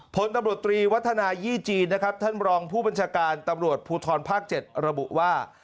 ผลตำรวจตรีวัฒนายี่จีนนะครับท่านรองผู้บัญชาการตำรวจภูทรภาค๗ระบุว่า